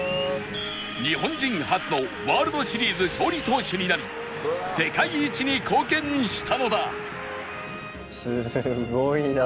日本人初のワールドシリーズ勝利投手になり世界一に貢献したのだ